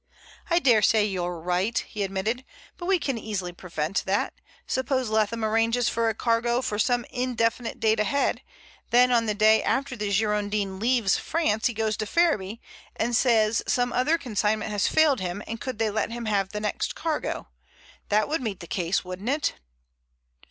"I dare say you're right," he admitted, "but we can easily prevent that. Suppose Leatham arranges for a cargo for some indefinite date ahead, then on the day after the Girondin leaves France he goes to Ferriby and says some other consignment has failed him, and could they let him have the next cargo? That would meet the case, wouldn't it?"